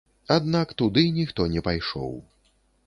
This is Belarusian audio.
Аднак туды ніхто не пайшоў.